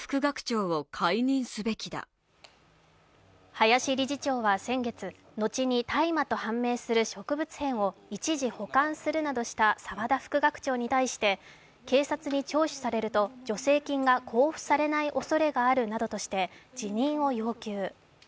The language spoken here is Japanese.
林理事長は先月、後に大麻と判明する植物片を一時保管するなどした澤田副学長に対して、警察に聴取されると助成金が交付されないおそれがあるなどとして辞任を要求。